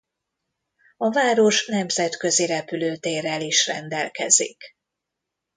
A város nemzetközi repülőtérrel is rendelkezik.